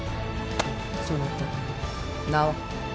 そなた名は。